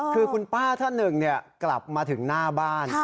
คือคุณป้าท่านหนึ่งกลับมาถึงหน้าบ้าน